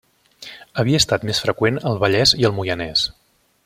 Havia estat més freqüent al Vallès i al Moianès.